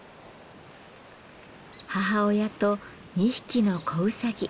母親と２匹の子うさぎ。